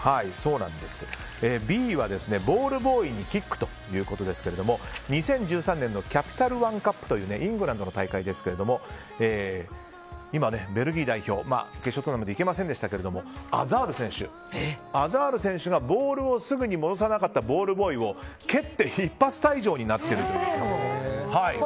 Ｂはボールボーイにキックということですが２０１３年のキャピタル・ワン・カップというイングランドの大会ですが今、ベルギー代表決勝トーナメントいけませんでしたがアザール選手がボールをすぐに戻さなかったボールボーイを蹴って一発退場になっていると。